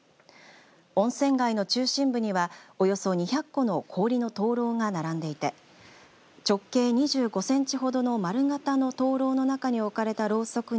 温泉街の中心部にはおよそ２００個の氷の灯籠が並んでいて直径２５センチほどの丸形の灯籠の中に置かれたろうそくに